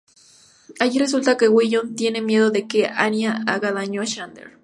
Allí resulta que Willow tiene miedo de que Anya haga daño a Xander.